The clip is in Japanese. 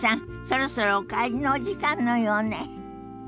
そろそろお帰りのお時間のようね。